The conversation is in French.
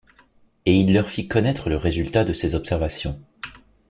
Et il leur fit connaître le résultat de ses observations